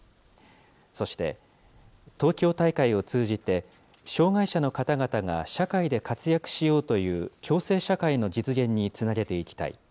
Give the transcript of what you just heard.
そして、東京大会を通じて障害者の方々が社会で活躍しようという、共生社会の実現につなげていきたい。